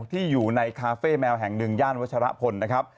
ที่อยู่ในคาเฟ่แมวแห่งหนึ่งย่านวัชรพลนะครับ